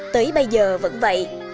tới bây giờ vẫn vậy